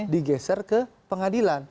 digeser ke pengadilan